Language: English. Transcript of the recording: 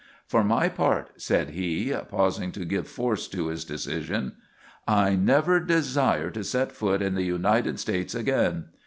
'For my part,' said he, pausing to give force to his decision, 'I never desire to set foot in the United States again.